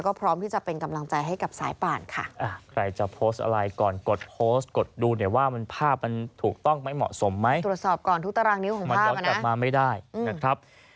ก็พร้อมที่จะเป็นกำลังใจให้กับสายป่านค่ะ